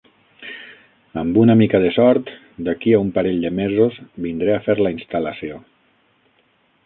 Amb una mica de sort, d'aquí a un parell de mesos vindré a fer la instal·lació.